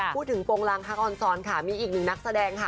โปงรังฮักออนซอนค่ะมีอีกหนึ่งนักแสดงค่ะ